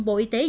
bộ y tế